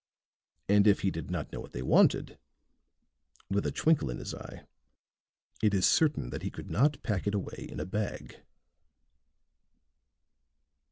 And if he did not know what they wanted," with a twinkle in his eye, "it is certain that he could not pack it away in a bag."